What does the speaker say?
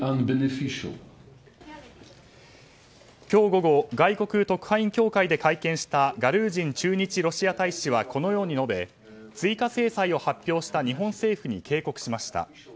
今日午後、外国特派員協会で会見したガルージン駐日ロシア大使はこのように述べ追加制裁を発表した日本政府に警告しました。